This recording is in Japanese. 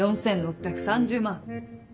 ４６３０万。